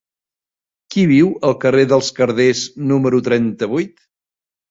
Qui viu al carrer dels Carders número trenta-vuit?